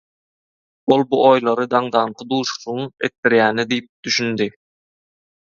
Ol bu oýlary daňdanky duşuşygyň etdirýäni diýip düşündi.